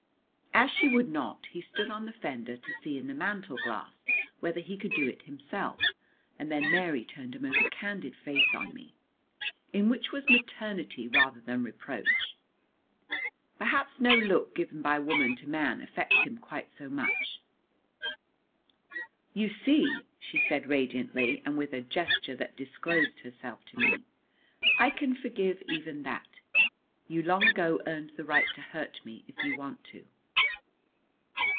As she would not, he stood on the fender to see in the mantel glass whether he could do it himself, and then Mary turned a most candid face on me, in which was maternity rather than reproach. Perhaps no look given by woman to man affects him quite so much. "You see," she said radiantly and with a gesture that disclosed herself to me, "I can forgive even that. You long ago earned the right to hurt me if you want to."